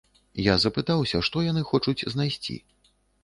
Я запытаўся, што яны хочуць знайсці.